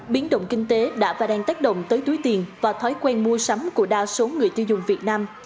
biến động kinh tế đã và đang tác động tới túi tiền và thói quen mua sắm của đa số người tiêu dùng việt nam